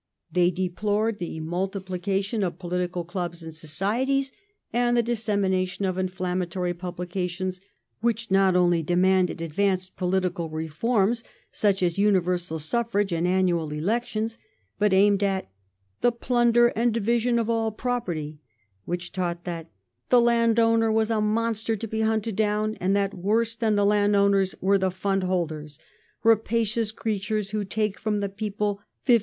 They deplored the mul tiplication of political clubs and societies and the dissemination of inflammatory publications which not only demanded advanced political reforms, such as universal suffi'age and annual elections, but aimed at "the plunder and division of all property" ; which taught that " the landowner was a monster to be hunted down," and that woi"se than the landowners were the fund holders, "rapacious creatures who take from the people 15d.